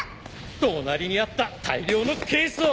隣にあった大量のケースを。